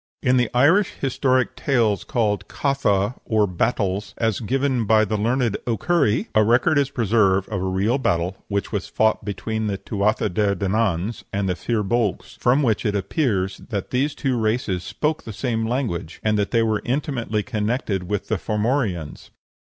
In the Irish historic tales called "Catha; or Battles," as given by the learned O'Curry, a record is preserved of a real battle which was fought between the Tuatha de Dananns and the Fir Bolgs, from which it appears that these two races spoke the same language, and that they were intimately connected with the Formorians.